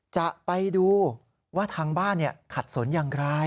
จะไปดูว่าทางบ้านขัดสนอย่างไร